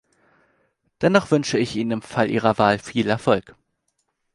Dennoch wünsche ich Ihnen im Fall Ihrer Wahl viel Erfolg.